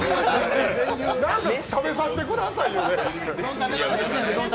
何か食べさせてくださいよ、ねぇ。